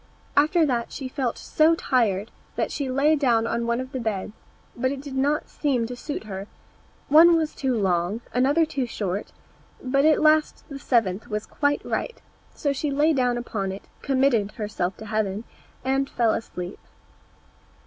After that she felt so tired that she lay down on one of the beds, but it did not seem to suit her; one was too long, another too short, but at last the seventh was quite right; and so she lay down upon it, committed herself to heaven, and fell asleep.